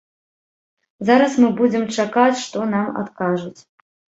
Зараз мы будзем чакаць, што нам адкажуць.